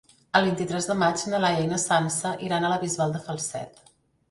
El vint-i-tres de maig na Laia i na Sança iran a la Bisbal de Falset.